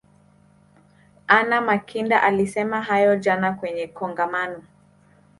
anna makinda alisema hayo jana kwenye kongamano